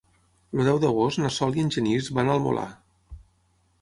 El deu d'agost na Sol i en Genís van al Molar.